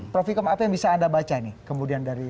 prof ikam apa yang bisa anda baca nih kemudian dari